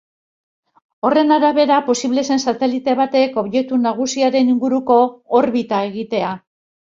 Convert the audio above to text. Horren arabera, posible zen satelite batek objektu nagusiaren inguruko orbita egitea.